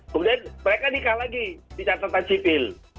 kemudian mereka nikah lagi di catatan sipil